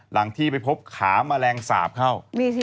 หลังที่ไปพบขาแมลงสาปเข้า